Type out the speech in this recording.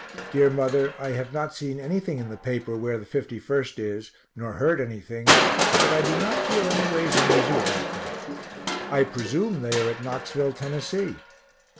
Dear mother, I have not seen anything in any paper where the 51st is, nor heard anything, but I do not feel any ways uneasy about them. I presume they are at Knoxville, Tennessee.